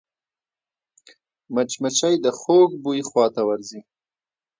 مچمچۍ د خوږ بوی خواته ورځي